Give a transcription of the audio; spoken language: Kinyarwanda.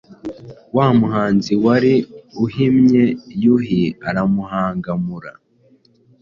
Wa Muhinza wari uhimye, yuhi aramuhangamura.